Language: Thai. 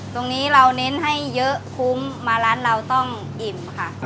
ตรงนี้เราเน้นให้เยอะคุ้มมาร้านเราต้องอิ่มค่ะ